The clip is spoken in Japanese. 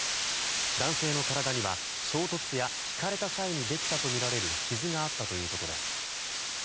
男性の体には、衝突やひかれた際にできたとみられる傷があったということです。